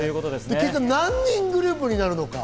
結果、何人グループになるのか。